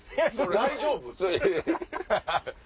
大丈夫？